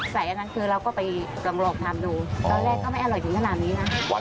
อันนั้นคือเราก็ไปลองทำดูตอนแรกก็ไม่อร่อยถึงขนาดนี้นะ